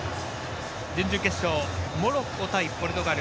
準々決勝、モロッコ対ポルトガル。